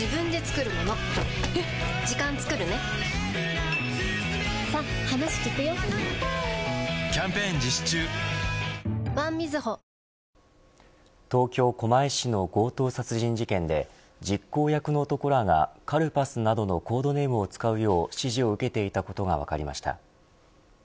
やさしい確定申告はｆｒｅｅｅ東京、狛江市の強盗殺人事件で実行役の男らがカルパスなどのコードネームを使うよう指示を受けていたことが分かりました。